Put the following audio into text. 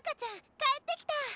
帰ってきた！